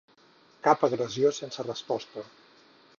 Cap agressió sense resposta